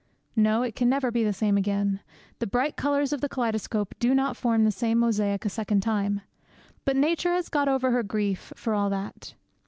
No, it can never be the same again. The bright colours of the kaleidoscope do not form the same mosaic a second time. But Nature has got over her grief, for all that.